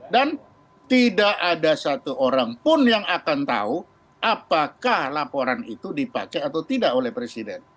dan tidak ada satu orang pun yang akan tahu apakah laporan itu dipakai atau tidak oleh presiden